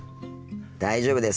大丈夫です。